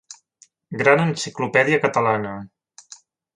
Gran Enciclopèdia Catalana.